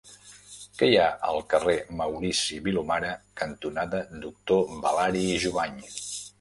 Què hi ha al carrer Maurici Vilomara cantonada Doctor Balari i Jovany?